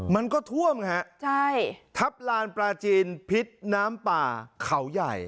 มันก็ท่วมฮะใช่ทับลานปลาจีนพิษน้ำป่าเขาใหญ่